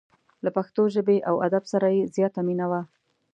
له پښتو ژبې او ادب سره یې زیاته مینه وه.